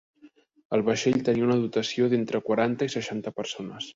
El vaixell tenia una dotació de entre quaranta i seixanta persones.